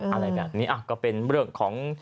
อะไรแบบนี้ก็เป็นเรื่องของ